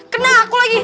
kena aku lagi